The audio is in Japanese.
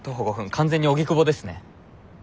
完全に荻窪ですね。